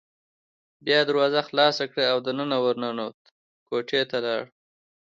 بیا یې دروازه خلاصه کړه او دننه ور ننوت، کوټې ته لاړ.